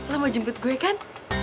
lo mau jemput gue kan